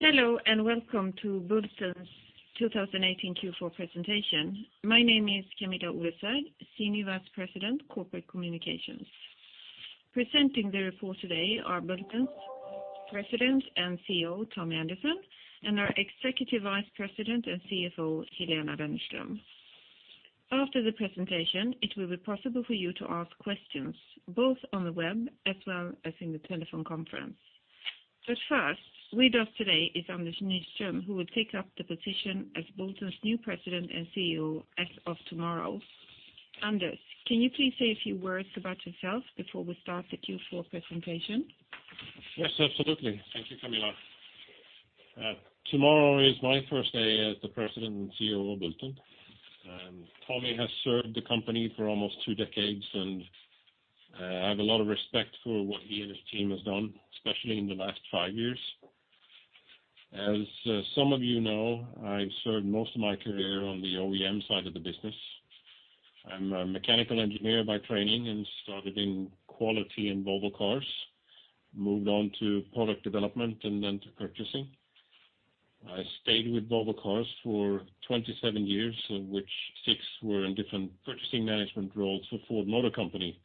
Hello, welcome to Bulten's 2018 Q4 Presentation. My name is Kamilla Oresvärd, Senior Vice President, Corporate Communications. Presenting the report today are Bulten's President and CEO, Tommy Andersson, and our Executive Vice President and CFO, Helena Wennerström. After the presentation, it will be possible for you to ask questions, both on the web as well as in the telephone conference. First, with us today is Anders Nyström, who will take up the position as Bulten's new President and CEO as of tomorrow. Anders, can you please say a few words about yourself before we start the Q4 presentation? Yes, absolutely. Thank you, Kamilla. Tomorrow is my first day as the President and CEO of Bulten. Tommy has served the company for almost two decades. I have a lot of respect for what he and his team have done, especially in the last five years. As some of you know, I've served most of my career on the OEM side of the business. I'm a mechanical engineer by training and started in quality in Volvo Cars, moved on to product development, to purchasing. I stayed with Volvo Cars for 27 years, of which six were in different purchasing management roles for Ford Motor Company,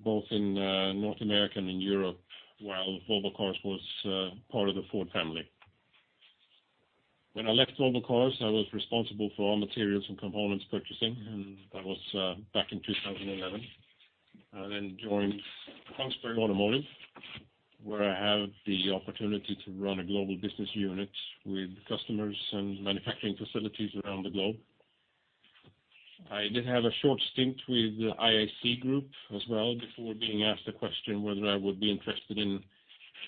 both in North America and in Europe, while Volvo Cars was part of the Ford family. When I left Volvo Cars, I was responsible for all materials and components purchasing. That was back in 2011. I joined Kongsberg Automotive, where I had the opportunity to run a global business unit with customers and manufacturing facilities around the globe. I did have a short stint with the IAC Group as well before being asked the question whether I would be interested in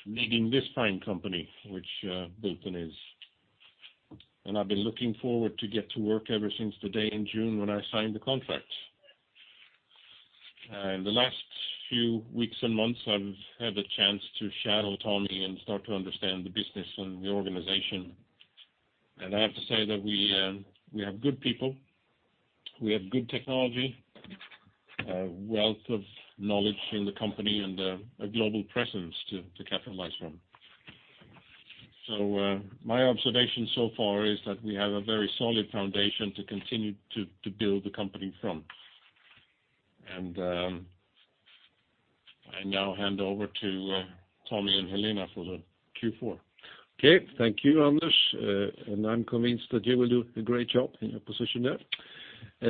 leading this fine company, which Bulten is. I've been looking forward to get to work ever since the day in June when I signed the contract. In the last few weeks and months, I've had the chance to shadow Tommy and start to understand the business and the organization. I have to say that we have good people, we have good technology, a wealth of knowledge in the company, a global presence to capitalize from. My observation so far is that we have a very solid foundation to continue to build the company from. I now hand over to Tommy and Helena for the Q4. Okay. Thank you, Anders. I'm convinced that you will do a great job in your position there.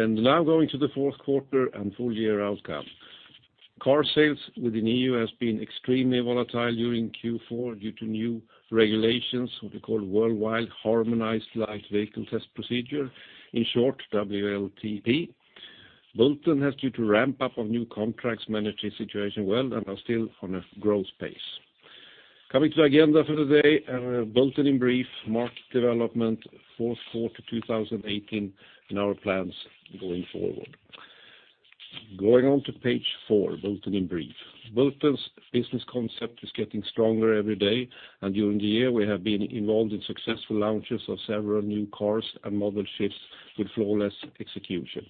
Now going to the fourth quarter and full-year outcome. Car sales within EU has been extremely volatile during Q4 due to new regulations, what we call Worldwide Harmonized Light Vehicle Test Procedure, in short, WLTP. Bulten has due to ramp up on new contracts, managed this situation well and are still on a growth pace. Coming to agenda for today, Bulten in brief, market development fourth quarter 2018, and our plans going forward. Going on to page four, Bulten in brief. Bulten's business concept is getting stronger every day, and during the year, we have been involved in successful launches of several new cars and model shifts with flawless execution.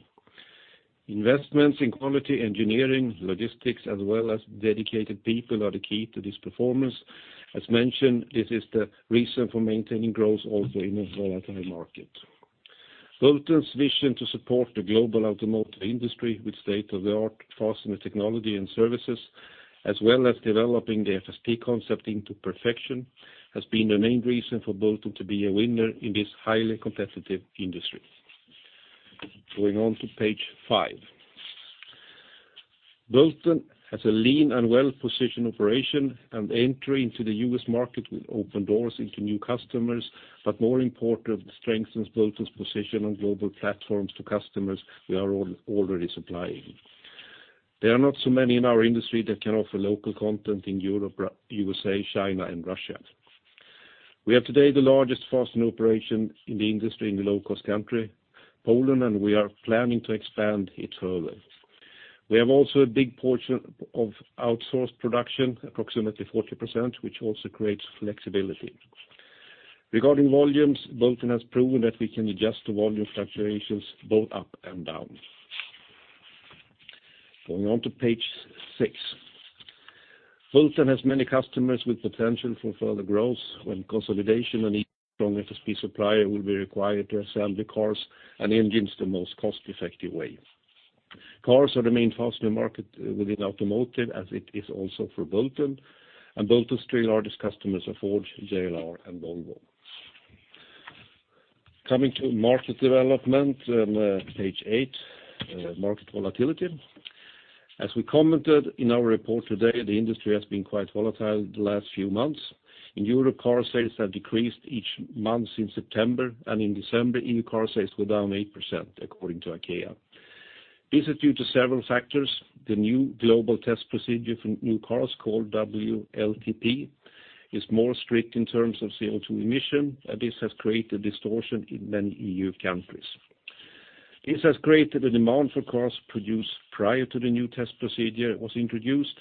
Investments in quality engineering, logistics, as well as dedicated people are the key to this performance. As mentioned, this is the reason for maintaining growth also in a volatile market. Bulten's vision to support the global automotive industry with state-of-the-art fastening technology and services, as well as developing the FSP concept into perfection, has been the main reason for Bulten to be a winner in this highly competitive industry. Going on to page five. Bulten has a lean and well-positioned operation, and entry into the U.S. market will open doors into new customers, but more important, strengthens Bulten's position on global platforms to customers we are already supplying. There are not so many in our industry that can offer local content in Europe, U.S.A., China, and Russia. We are today the largest fastening operation in the industry in the low-cost country, Poland, and we are planning to expand it further. We have also a big portion of outsourced production, approximately 40%, which also creates flexibility. Regarding volumes, Bulten has proven that we can adjust to volume fluctuations both up and down. Going on to page six. Bulten has many customers with potential for further growth when consolidation and each strong FSP supplier will be required to assemble the cars and engines the most cost-effective way. Cars are the main fastening market within automotive, as it is also for Bulten, and Bulten's three largest customers are Ford, JLR, and Volvo. Coming to market development, page eight, market volatility. As we commented in our report today, the industry has been quite volatile the last few months. In Europe, car sales have decreased each month since September, and in December, EU car sales were down 8%, according to ACEA. This is due to several factors. The new global test procedure for new cars, called WLTP, is more strict in terms of CO2 emission. This has created distortion in many EU countries. This has created a demand for cars produced prior to the new test procedure was introduced,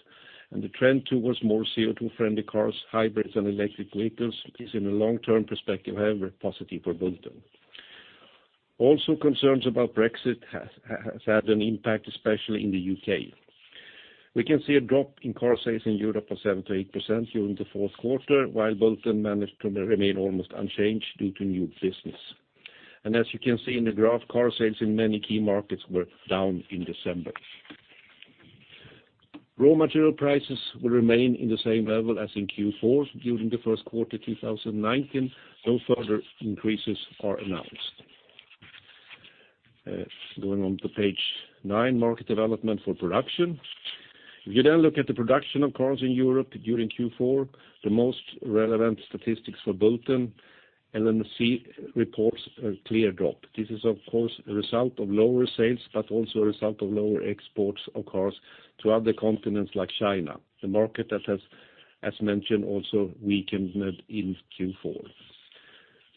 and the trend towards more CO2-friendly cars, hybrids, and electric vehicles is in a long-term perspective, however, positive for Bulten. Concerns about Brexit has had an impact, especially in the U.K. We can see a drop in car sales in Europe of 7%-8% during the fourth quarter, while Bulten managed to remain almost unchanged due to new business. As you can see in the graph, car sales in many key markets were down in December. Raw material prices will remain in the same level as in Q4 during the first quarter 2019. No further increases are announced. Going on to page nine, market development for production. Looking at the production of cars in Europe during Q4, the most relevant statistics for Bulten, LMC reports a clear drop. This is of course a result of lower sales, a result of lower exports of cars to other continents like China, the market that has, as mentioned, also weakened in Q4.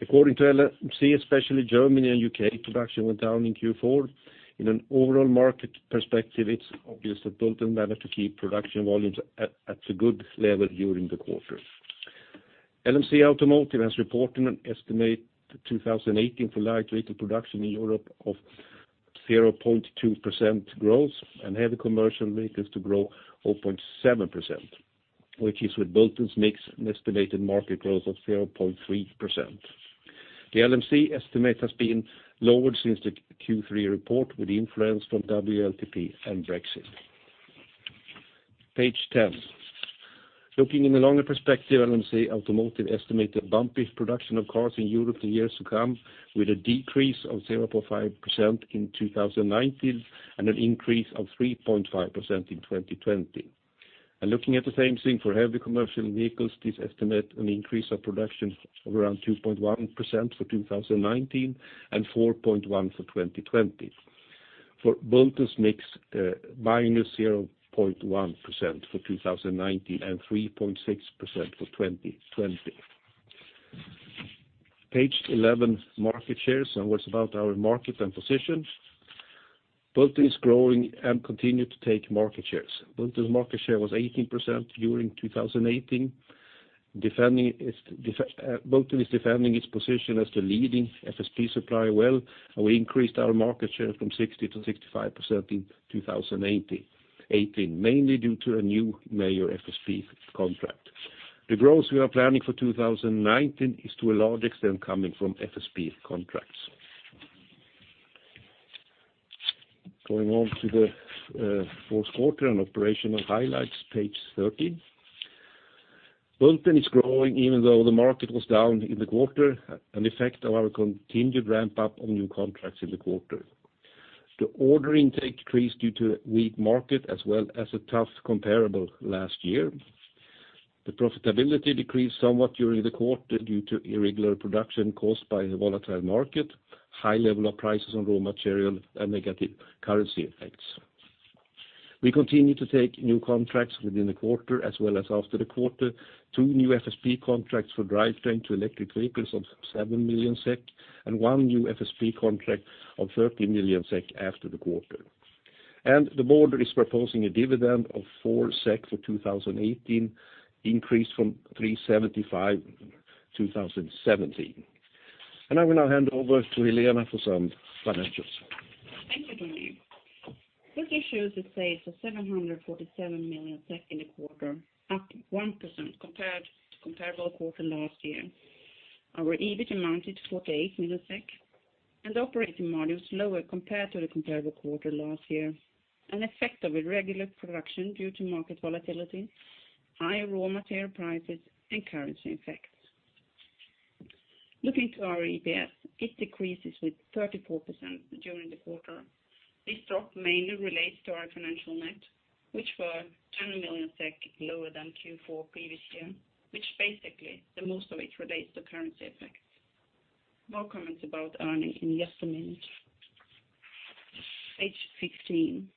According to LMC, especially Germany and U.K. production went down in Q4. It's obvious that Bulten managed to keep production volumes at a good level during the quarter. LMC Automotive has reported an estimate 2018 for light vehicle production in Europe of 0.2% growth and heavy commercial vehicles to grow 4.7%, which is with Bulten's mix an estimated market growth of 0.3%. The LMC estimate has been lowered since the Q3 report with influence from WLTP and Brexit. Page 10. LMC Automotive estimated bumpy production of cars in Europe the years to come with a decrease of 0.5% in 2019 and an increase of 3.5% in 2020. Looking at the same thing for heavy commercial vehicles, this estimate an increase of production of around 2.1% for 2019 and 4.1% for 2020. For Bulten's mix, -0.1% for 2019 and 3.6% for 2020. Page 11, market shares and what about our market and position? Bulten is growing and continue to take market shares. Bulten's market share was 18% during 2018. Bulten is defending its position as the leading FSP supplier well, we increased our market share from 60%-65% in 2018, mainly due to a new major FSP contract. The growth we are planning for 2019 is to a large extent coming from FSP contracts. The fourth quarter and operational highlights, page 13. Bulten is growing even though the market was down in the quarter, an effect of our continued ramp-up on new contracts in the quarter. The order intake decreased due to a weak market as well as a tough comparable last year. The profitability decreased somewhat during the quarter due to irregular production caused by the volatile market, high level of prices on raw material, negative currency effects. We continue to take new contracts within the quarter as well as after the quarter. Two new FSP contracts for drivetrain to electric vehicles of 7 million SEK and one new FSP contract of 30 million SEK after the quarter. The board is proposing a dividend of 4 SEK for 2018, increased from 3.75, 2017. I will now hand over to Helena for some financials. Thank you, Tommy. Bulten shows its sales for 747 million in the quarter, up 1% compared to comparable quarter last year. Our EBIT amounted to 48 million, operating margin was lower compared to the comparable quarter last year, an effect of irregular production due to market volatility, high raw material prices, and currency effects. Looking to our EPS, it decreases with 34% during the quarter. This drop mainly relates to our financial net, which for 10 million SEK is lower than Q4 previous year, which basically the most of it relates to currency effects. More comments about earnings in just a minute. Page 15,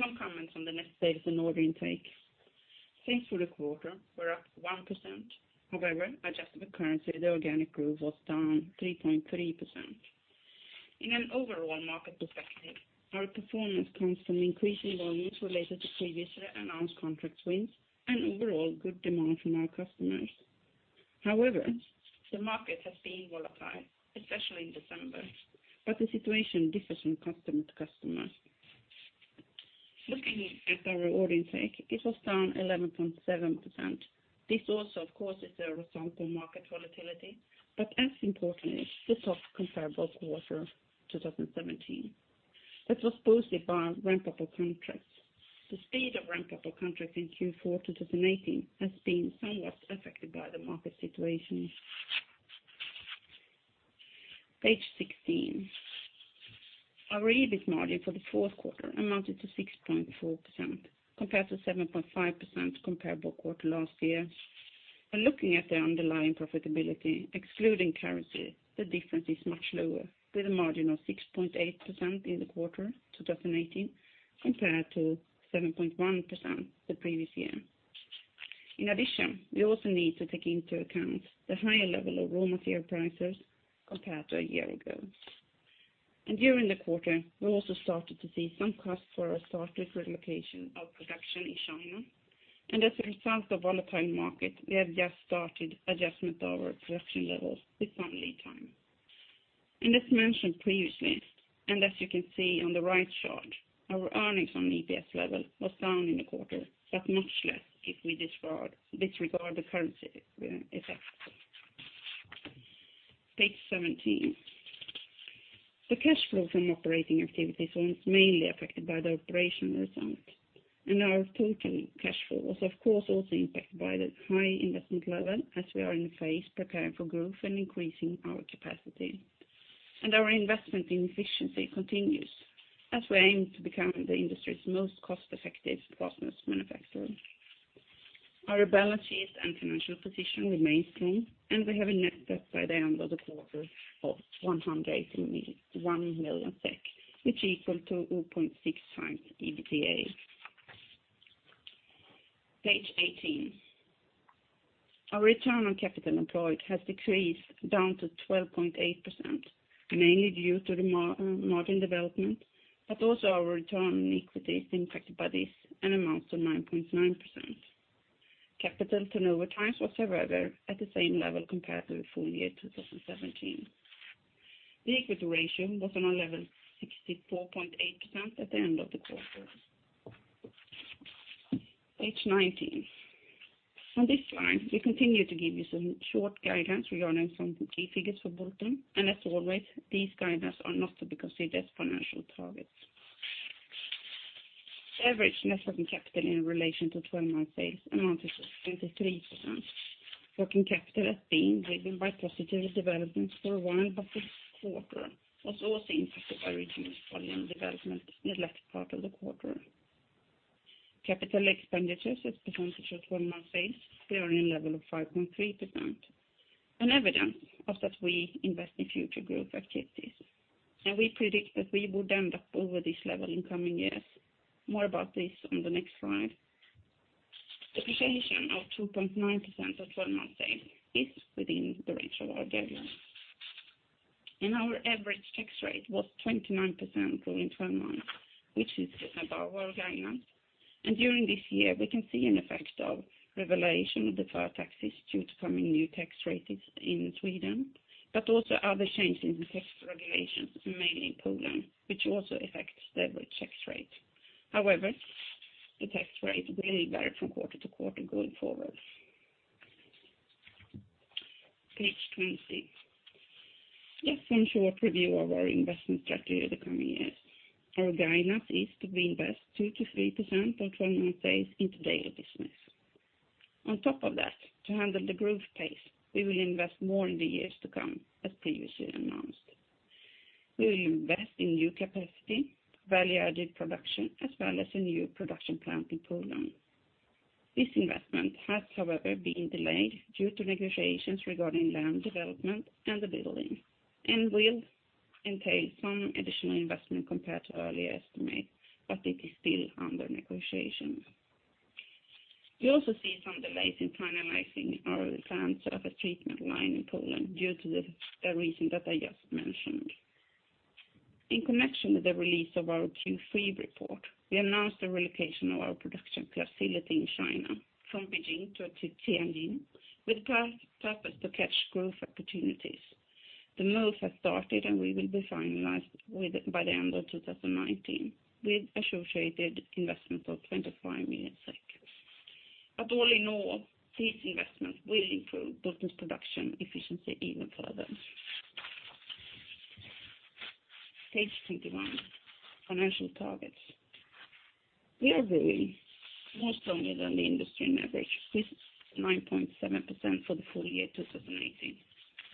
some comments on the net sales and order intake. Thanks for the quarter, we're up 1%. However, adjusted for currency, the organic growth was down 3.3%. In an overall market perspective, our performance comes from increasing volumes related to previously announced contract wins and overall good demand from our customers. The market has been volatile, especially in December, but the situation differs from customer to customer. Looking at our order intake, it was down 11.7%. This also, of course, is a result of market volatility, but as importantly, the tough comparable quarter 2017. That was boosted by ramp-up of contracts. The speed of ramp-up of contracts in Q4 2018 has been somewhat affected by the market situation. Page 16. Our EBIT margin for the fourth quarter amounted to 6.4% compared to 7.5% comparable quarter last year. Looking at the underlying profitability, excluding currency, the difference is much lower, with a margin of 6.8% in the quarter 2018 compared to 7.1% the previous year. In addition, we also need to take into account the higher level of raw material prices compared to a year ago. During the quarter, we also started to see some costs for our started relocation of production in China. As a result of volatile market, we have just started adjustment of our production levels with some lead time. As mentioned previously, and as you can see on the right chart, our earnings on an EPS level was down in the quarter, but much less if we disregard the currency effects. Page 17. The cash flow from operating activities was mainly affected by the operational results. Our total cash flow was, of course, also impacted by the high investment level as we are in the phase preparing for growth and increasing our capacity. Our investment in efficiency continues as we aim to become the industry's most cost-effective prosperous manufacturer. Our balances and financial position remain strong, and we have a net debt by the end of the quarter of 101 million SEK, which equal to 0.65 EBITDA. Page 18. Our return on capital employed has decreased down to 12.8%, mainly due to the margin development, but also our return on equity is impacted by this and amounts to 9.9%. Capital turnover times was, however, at the same level compared to the full year 2017. The equity ratio was on a level 64.8% at the end of the quarter. Page 19. On this slide, we continue to give you some short guidance regarding some key figures for Bulten, and as always, these guidance are not to be considered as financial targets. Average net working capital in relation to 12-month sales amounted to 23%. Working capital has been driven by positive developments for one half of quarter was also impacted by regional volume development in the left part of the quarter. Capital expenditures as percentage of 12-month sales clearing a level of 5.3%. An evidence of that we invest in future growth activities. We predict that we would end up over this level in coming years. More about this on the next slide. Depreciation of 2.9% of 12-month sales is within the range of our guidance. Our average tax rate was 29% rolling 12 months, which is above our guidance. During this year, we can see an effect of revelation of deferred taxes due to coming new tax rates in Sweden, but also other changes in tax regulations, mainly in Poland, which also affects the average tax rate. The tax rate will vary from quarter to quarter going forward. Page 20. Just one short review of our investment strategy in the coming years. Our guidance is to invest 2%-3% of 12-month sales into daily business. On top of that, to handle the growth pace, we will invest more in the years to come, as previously announced. We will invest in new capacity, value-added production, as well as a new production plant in Poland. This investment has, however, been delayed due to negotiations regarding land development and the building, and will entail some additional investment compared to earlier estimates, but it is still under negotiation. We also see some delays in finalizing our plans of a treatment line in Poland due to the reason that I just mentioned. In connection with the release of our Q3 report, we announced the relocation of our production facility in China from Beijing to Tianjin with purpose to catch growth opportunities. The move has started, we will be finalized by the end of 2019 with associated investment of 25 million. All in all, this investment will improve Bulten's production efficiency even further. Page 21, financial targets. We are growing more strongly than the industry average with 9.7% for the full year 2018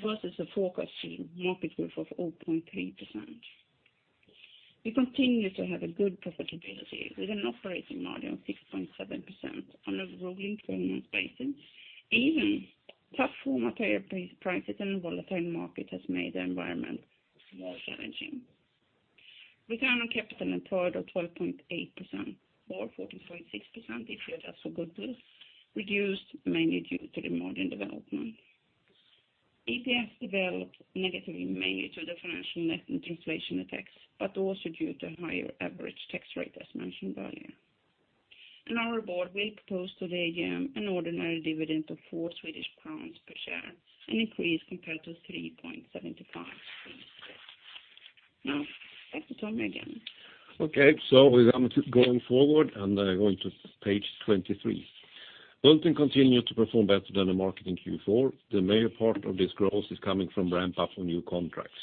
versus a forecasted market growth of 0.3%. We continue to have a good profitability with an operating margin of 6.7% on a rolling 12 months basis, even though raw material prices and a volatile market has made the environment more challenging. Return on capital employed of 12.8% or 14.6% if we adjust for goodwill, reduced mainly due to the margin development. EPS developed negatively, mainly to the financial net inflation effects, also due to higher average tax rate, as mentioned earlier. Our board will propose to the AGM an ordinary dividend of SEK 4 per share, an increase compared to 3.75. Back to Tommy again. With that, going forward, going to page 23. Bulten continue to perform better than the market in Q4. The main part of this growth is coming from ramp-up on new contracts.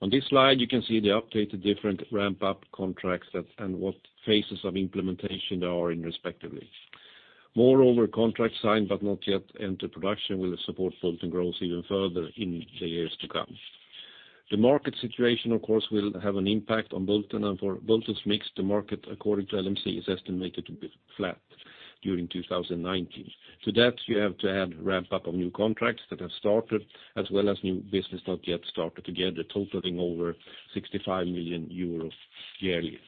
On this slide, you can see the updated different ramp-up contracts and what phases of implementation they are in respectively. Moreover, contracts signed but not yet entered production will support Bulten growth even further in the years to come. The market situation, of course, will have an impact on Bulten and for Bulten's mix to market according to LMC is estimated to be flat during 2019. To that, you have to add ramp-up of new contracts that have started as well as new business not yet started together totaling over 65 million euros yearly.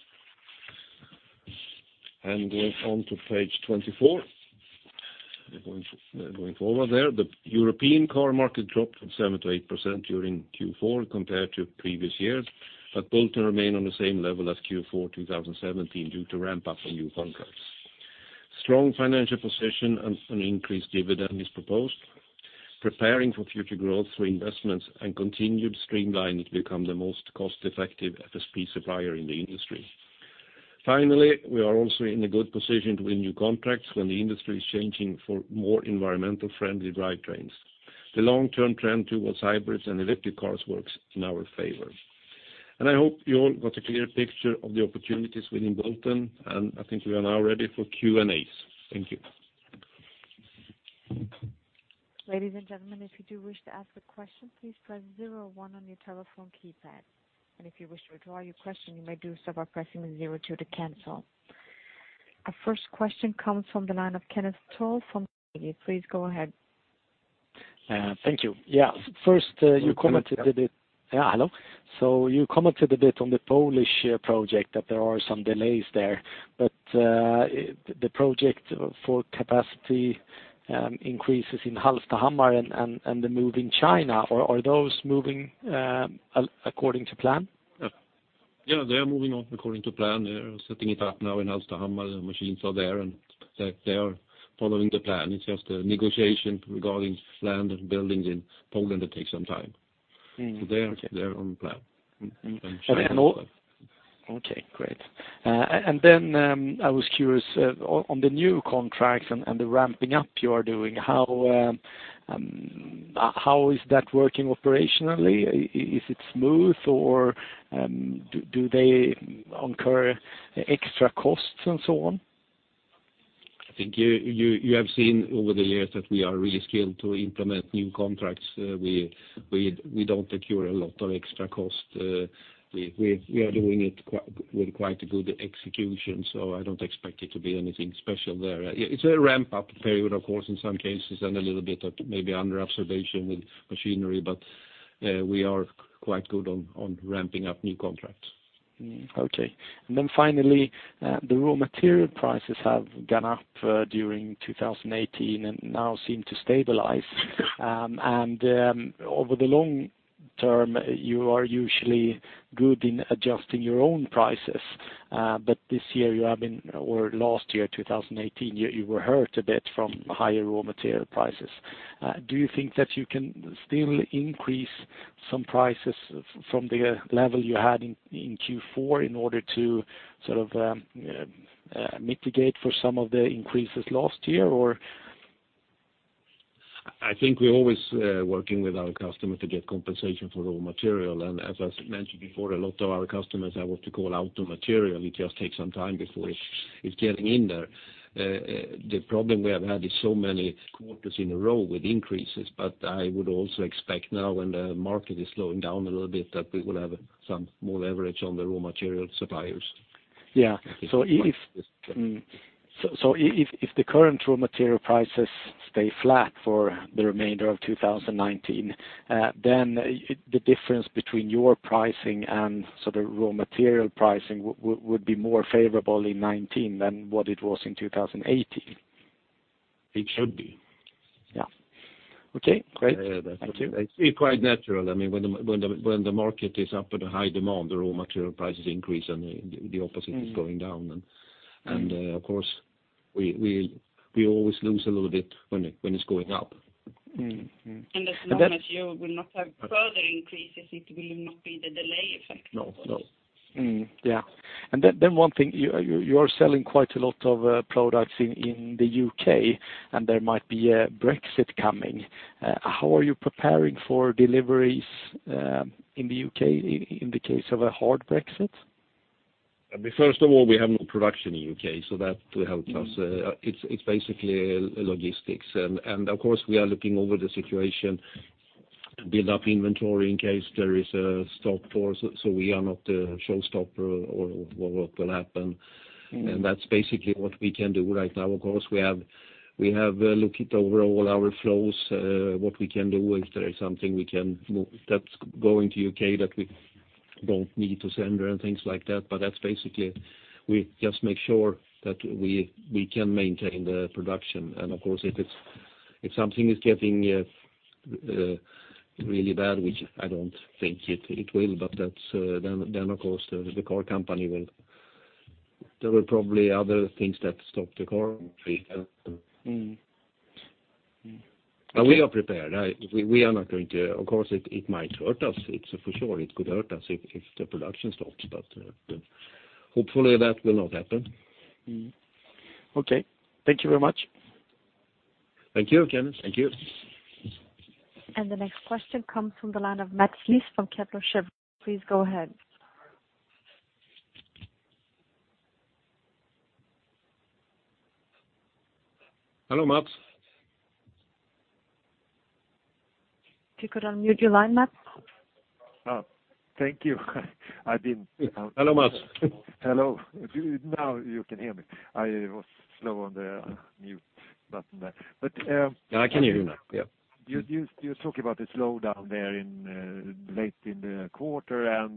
Going on to page 24. Going forward there, the European car market dropped from 7%-8% during Q4 compared to previous years, but Bulten remain on the same level as Q4 2017 due to ramp up from new contracts. Strong financial position and an increased dividend is proposed. Preparing for future growth through investments and continued streamlining to become the most cost-effective FSP supplier in the industry. Finally, we are also in a good position to win new contracts when the industry is changing for more environmental friendly drivetrains. The long-term trend towards hybrids and electric cars works in our favor. I hope you all got a clear picture of the opportunities within Bulten, and I think we are now ready for Q&As. Thank you. Ladies and gentlemen, if you do wish to ask a question, please press zero one on your telephone keypad. If you wish to withdraw your question, you may do so by pressing zero two to cancel. Our first question comes from the line of Kenneth 12 from. Please go ahead. Thank you. Yeah. First, you commented a bit- Hello, Kenneth. Yeah. Hello. You commented a bit on the Polish project that there are some delays there, but the project for capacity increases in Hallstahammar and the moving China, are those moving according to plan? Yeah. They are moving on according to plan. They're setting it up now in Hallstahammar. The machines are there, and they are following the plan. It's just the negotiation regarding land and buildings in Poland that takes some time. They're on plan. Okay, great. I was curious, on the new contracts and the ramping up you are doing, how is that working operationally? Is it smooth, or do they incur extra costs and so on? I think you have seen over the years that we are really skilled to implement new contracts. We don't incur a lot of extra cost. We are doing it with quite a good execution, so I don't expect it to be anything special there. It's a ramp-up period, of course, in some cases, and a little bit of maybe under observation with machinery, but we are quite good on ramping up new contracts. Finally, the raw material prices have gone up during 2018 and now seem to stabilize. Over the long term, you are usually good in adjusting your own prices. This year you have been, or last year, 2018, you were hurt a bit from higher raw material prices. Do you think that you can still increase some prices from the level you had in Q4 in order to mitigate for some of the increases last year? I think we're always working with our customer to get compensation for raw material, and as I mentioned before, a lot of our customers have what we call out to material. It just takes some time before it's getting in there. The problem we have had is so many quarters in a row with increases, but I would also expect now when the market is slowing down a little bit, that we will have some more leverage on the raw material suppliers. If the current raw material prices stay flat for the remainder of 2019, then the difference between your pricing and the raw material pricing would be more favorable in 2019 than what it was in 2018? It should be. Yeah. Okay, great. Thank you. It's quite natural. When the market is up at a high demand, the raw material prices increase, and the opposite is going down. Of course, we always lose a little bit when it's going up. As long as you will not have further increases, it will not be the delay effect, of course. No. Yeah. One thing, you are selling quite a lot of products in the U.K., and there might be a Brexit coming. How are you preparing for deliveries in the U.K. in the case of a hard Brexit? First of all, we have no production in U.K., so that will help us. It's basically a logistics. Of course, we are looking over the situation to build up inventory in case there is a stop for us, so we are not a showstopper or what will happen. That's basically what we can do right now. Of course, we have looked over all our flows, what we can do if there is something that's going to U.K. that we don't need to send there and things like that. That's basically, we just make sure that we can maintain the production. Of course, if something is getting really bad, which I don't think it will, then, of course, there were probably other things that stopped the car. We are prepared. Of course, it might hurt us. It's for sure it could hurt us if the production stops, hopefully that will not happen. Okay. Thank you very much. Thank you, Kenneth. Thank you. The next question comes from the line of Mats Liss from Kepler Cheuvreux. Please go ahead. Hello, Mats. If you could unmute your line, Mats? Thank you. Hello, Mats. Hello. Now you can hear me. I was slow on the mute button there. I can hear you now. You're talking about the slowdown there late in the quarter,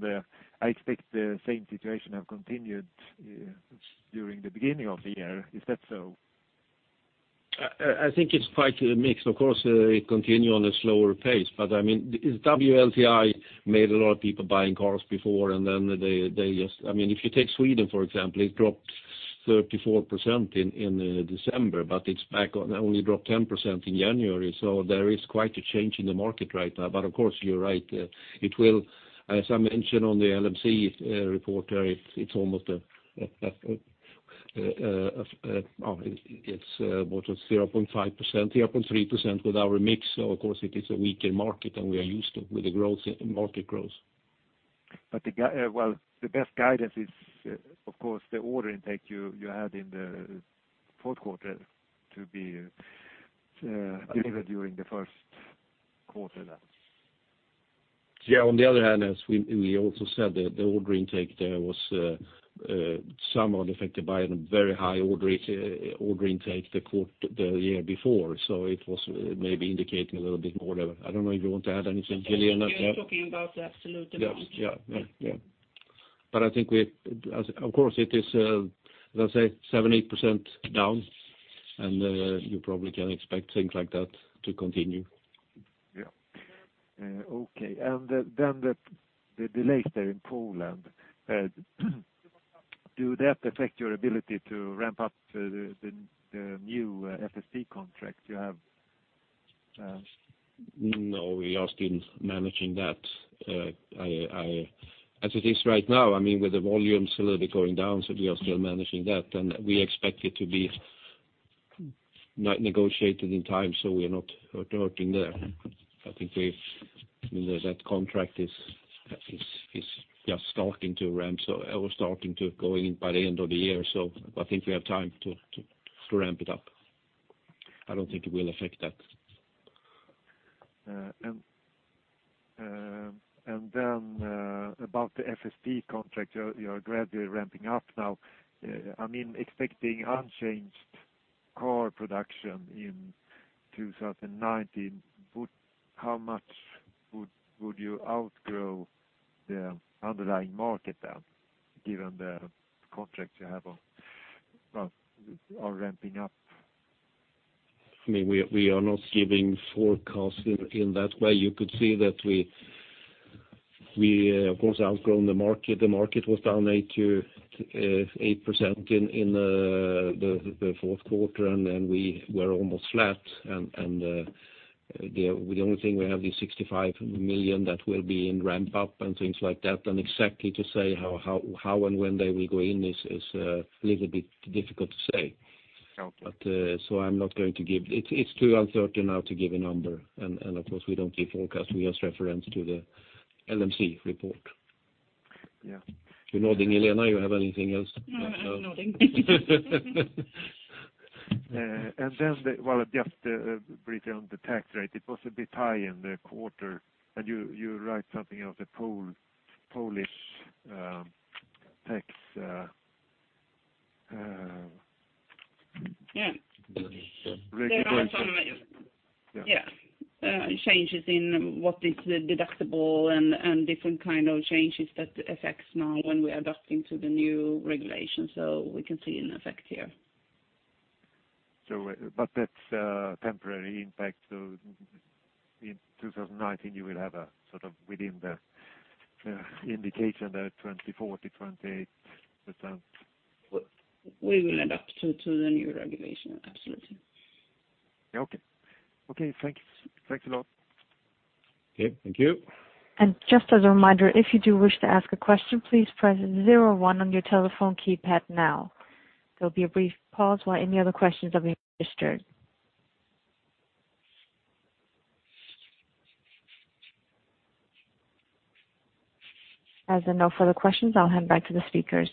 I expect the same situation have continued during the beginning of the year. Is that so? I think it's quite a mix. Of course, it continue on a slower pace. WLTP made a lot of people buying cars before, and then they just if you take Sweden, for example, it dropped 34% in December, but it's back only dropped 10% in January. There is quite a change in the market right now. Of course, you're right. As I mentioned on the LMC report, it's almost a 0.5%, 0.3% with our mix. Of course, it is a weaker market than we are used to with the market growth. The best guidance is, of course, the order intake you had in the fourth quarter to be delivered during the first quarter now. Yeah. On the other hand, as we also said, the order intake there was somewhat affected by a very high order intake the year before. It was maybe indicating a little bit more. I don't know if you want to add anything, Helena. You're talking about the absolute amount. Yes. Yeah. Of course, it is, let's say 78% down, and you probably can expect things like that to continue. Yeah. Okay. The delays there in Poland, do that affect your ability to ramp up the new FSP contract you have? No, we are still managing that. As it is right now, with the volumes a little bit going down, so we are still managing that, and we expect it to be negotiated in time, so we are not hurting there. I think that contract is just starting to ramp. I was starting to go in by the end of the year, I think we have time to ramp it up. I don't think it will affect that. About the FSP contract you are gradually ramping up now. Expecting unchanged car production in 2019, how much would you outgrow the underlying market then, given the contracts you have are ramping up? We are not giving forecasts in that way. You could see that we, of course, outgrown the market. The market was down 8% in the fourth quarter, and then we're almost flat. The only thing we have these 65 million that will be in ramp-up and things like that. Exactly to say how and when they will go in is a little bit difficult to say. Okay. It's too uncertain now to give a number. Of course, we don't give forecast. We just reference to the LMC report. Yeah. You nodding, Helena. You have anything else? No, I'm nodding. Just briefly on the tax rate, it was a bit high in the quarter. You write something of the Polish tax. Yeah. Regulation. Yeah. Changes in what is deductible and different kind of changes that affects now when we're adapting to the new regulations. We can see an effect here. That's a temporary impact. In 2019, you will have a sort of within the indication, the 24%-28%. We will adapt to the new regulation. Absolutely. Okay. Thanks a lot. Okay. Thank you. Just as a reminder, if you do wish to ask a question, please press zero one on your telephone keypad now. There'll be a brief pause while any other questions are being registered. As there are no further questions, I'll hand back to the speakers.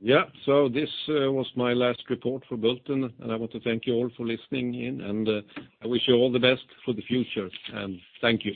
Yeah. This was my last report for Bulten, and I want to thank you all for listening in, and I wish you all the best for the future. Thank you